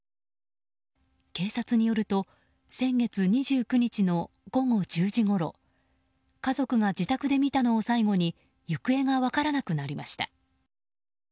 警察によると先月２９日の午後１０時ごろ家族が自宅で見たのを最後に行方が分からなくなりました。